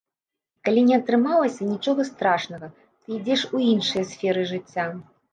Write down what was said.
І калі не атрымалася, нічога страшнага, ты ідзеш у іншыя сферы жыцця.